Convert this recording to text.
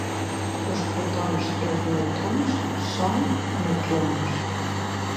Os protóns e os neutróns son nucleóns.